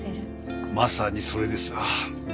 まさにそれですわ。